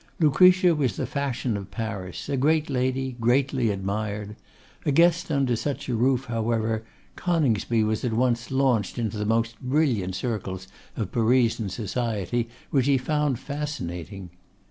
Lucretia was the fashion of Paris; a great lady, greatly admired. A guest under such a roof, however, Coningsby was at once launched into the most brilliant circles of Parisian society, which he found fascinating.